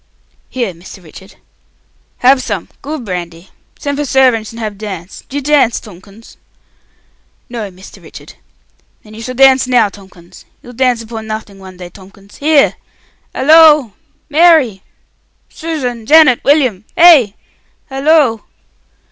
"Here, Mr. Richard." "Have some! Good brandy! Send for servantsh and have dance. D'you dance, Tomkins?" "No, Mr. Richard." "Then you shall dance now, Tomkins. You'll dance upon nothing one day, Tomkins! Here! Halloo! Mary! Susan! Janet! William! Hey! Halloo!"